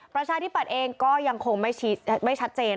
ประชาธิปัตย์เองก็ยังคงไม่ชัดเจน